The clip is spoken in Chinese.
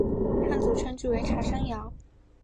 汉族称之为茶山瑶。